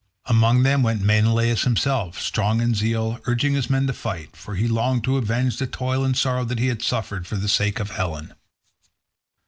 Among them went Menelaus himself, strong in zeal, urging his men to fight; for he longed to avenge the toil and sorrow that he had suffered for the sake of Helen.